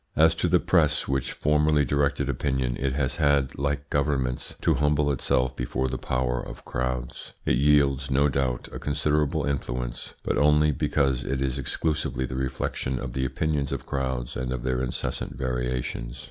As to the press, which formerly directed opinion, it has had, like governments, to humble itself before the power of crowds. It wields, no doubt, a considerable influence, but only because it is exclusively the reflection of the opinions of crowds and of their incessant variations.